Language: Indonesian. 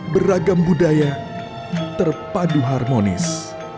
beragam budaya terpadu harmonis